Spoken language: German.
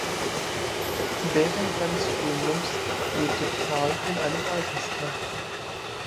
Während seines Studiums lebte Perl in einem Altersheim.